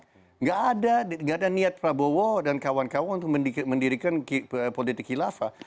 tidak ada niat prabowo dan kawan kawan untuk mendirikan politik khilafah